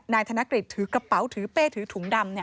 นายกธนกฤษถือกระเป๋าถือเป้ถือถุงดำ